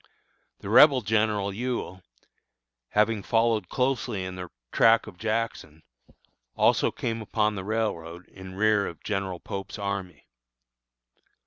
The Rebel General Ewell, having followed closely in the track of Jackson, also came upon the railroad in rear of General Pope's army.